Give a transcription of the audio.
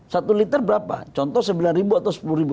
satu liter berapa contoh sembilan ribu atau sepuluh ribu